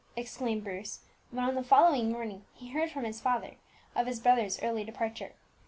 exclaimed Bruce, when, on the following morning, he heard from his father of his brother's early departure.